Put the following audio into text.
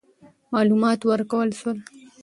معلومات ورکول سول.